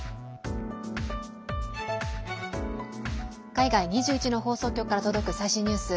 海外２１の放送局から届く最新ニュース。